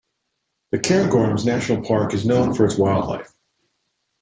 The Cairngorms national park is known for its wildlife.